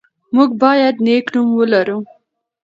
موږ باید نېک نوم ولرو.